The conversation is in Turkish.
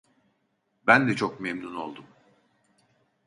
Ben de çok memnun oldum.